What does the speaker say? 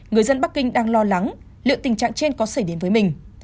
người dân bắc kinh đang lo lắng liệu tình trạng trên có xảy đến với mình